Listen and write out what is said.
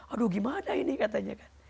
aduh gimana ini katanya kan